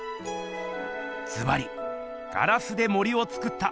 ずばり「ガラスで森をつくった」